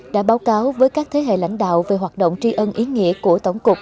đã báo cáo với các thế hệ lãnh đạo về hoạt động tri ân ý nghĩa của tổng cục